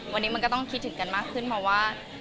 วันนี้มันก็ต้องคิดถึงกันมากขึ้นเพราะว่า